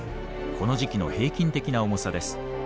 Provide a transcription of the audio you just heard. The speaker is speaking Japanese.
この時期の平均的な重さです。